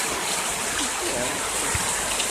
Tufiḍ-t?